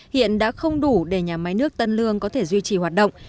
hiện đã không đủ để nhà máy nước tân lương có thể duy trì hoạt động